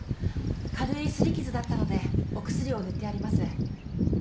軽い擦り傷だったのでお薬を塗ってあります。